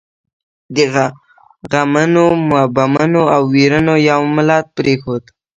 د غمونو، بمونو او ويرونو یو ملت پرېښود.